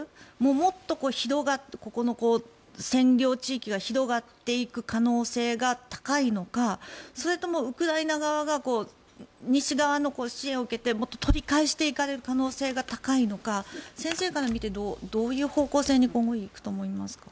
もっとここの占領地域が広がっていく可能性が高いのかそれともウクライナ側が西側の支援を受けてもっと取り返していかれる可能性が高いのか先生から見てどういう方向性に今後、行くと思いますか。